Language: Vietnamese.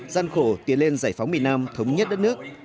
gian khổ tiến lên giải phóng miền nam thống nhất đất nước